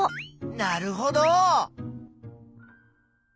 なるほど。